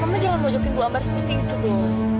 mama jangan wajakin bu ambar seperti itu dong